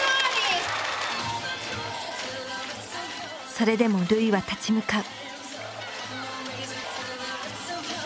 それでも瑠唯は立ち向かう。